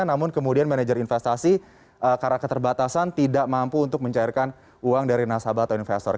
namun kemudian manajer investasi karena keterbatasan tidak mampu untuk mencairkan uang dari nasabah atau investor